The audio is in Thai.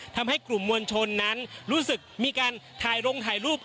ทำให้กลุ่มมวลชนนั้นรู้สึกมีการถ่ายลงถ่ายรูป